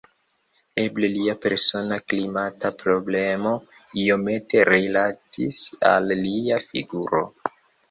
Eble lia persona klimata problemo iomete rilatis al lia figuro.